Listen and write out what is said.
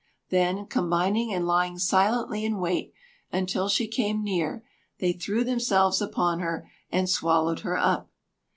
Then combining, and lying silently in wait until she came near, they threw themselves upon her, and swallowed her up.